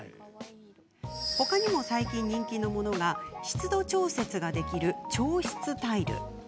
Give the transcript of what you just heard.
ほかにも最近人気のものが湿度調節ができる調湿タイル。